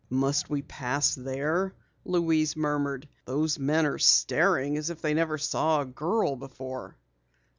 "Must we pass there?" Louise murmured. "Those men are staring as if they never saw a girl before."